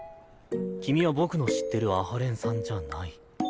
君は僕の知ってる阿波連さんじゃない。